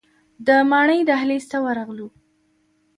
د ماڼۍ دهلیز ته ورغلو.